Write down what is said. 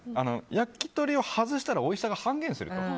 焼き鳥を外したらおいしさが半減すると。